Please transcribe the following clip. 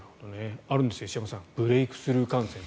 あるんですね、石山さんブレークスルー感染って。